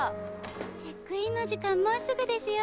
チェックインの時間もうすぐですよ。